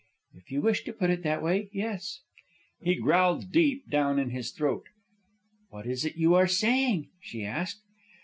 "If you wish to put it that way, yes." He growled deep down in his throat. "What is it you are saying?" she asked.